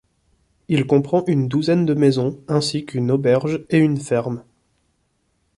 Il comprend une douzaine de maisons ainsi qu'une auberge et une ferme.